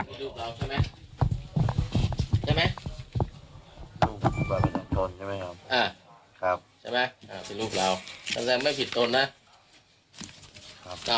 คุณสำคัญต่อ